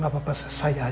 gak apa apa sus saya aja